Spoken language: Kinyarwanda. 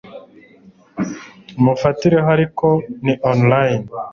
mufatireho ariko ni online